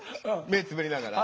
目つむりながら。